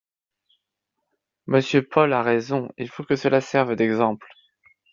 Monsieur Paul a raison, il faut que cela serve d’exemple